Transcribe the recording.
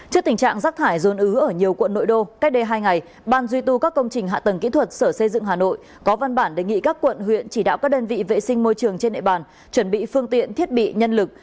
trước tình trạng rác thải rôn ứ ở nhiều quận nội đô cách đây hai ngày ban duy tu các công trình hạ tầng kỹ thuật sở xây dựng hà nội có văn bản đề nghị các quận huyện chỉ đạo các đơn vị vệ sinh môi trường trên nệ bàn chuẩn bị phương tiện thiết bị nhân lực